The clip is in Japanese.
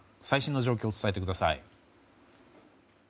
最新の状況を伝えてください。